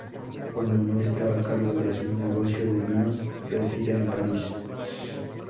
Cuando no está a cargo de su negocio de vinos, reside en París.